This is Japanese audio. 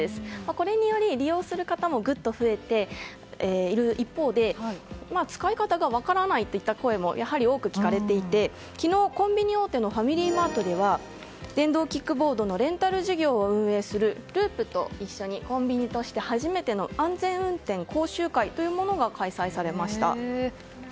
これにより、利用する方もグッと増えている一方で使い方が分からないといった声も多く聞かれていて昨日、コンビニ大手のファミリーマートでは電動キックボードのレンタル事業を運営するＬＵＵＰと一緒にコンビニとして初めての安全運転講習会というものが開催されました。